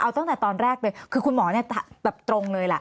เอาตั้งแต่ตอนแรกเลยคือคุณหมอเนี่ยแบบตรงเลยล่ะ